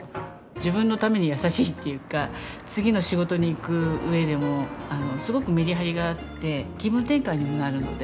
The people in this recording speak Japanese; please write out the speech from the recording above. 自分のために優しいっていうか次の仕事に行く上でもすごくメリハリがあって気分転換にもなるので。